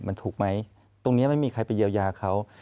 มันถูกไหมตรงนี้ไม่มีใครไปเยียวยาเขา